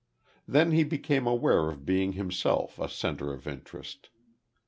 Then he became aware of being himself a centre of interest.